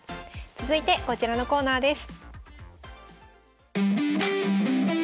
続いてこちらのコーナーです。